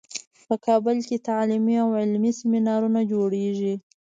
په کابل کې تعلیمي او علمي سیمینارونو جوړیږي